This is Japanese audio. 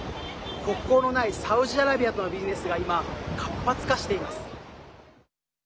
国交のないサウジアラビアとのビジネスが今、活発化しています。